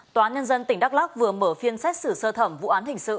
tòa nhân dân tỉnh đắk lắc vừa mở phiên xét xử sơ thẩm vụ án hình sự